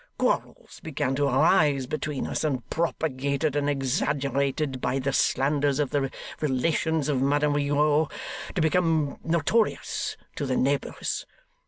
Quarrels began to arise between us; and, propagated and exaggerated by the slanders of the relations of Madame Rigaud, to become notorious to the neighbours.